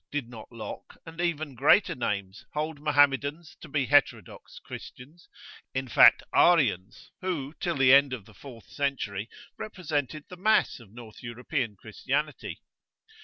Did not Locke, and even greater names, hold Mohammedans to be heterodox Christians, in fact Arians who, till the end of the fourth century, represented the mass of North European Christianity?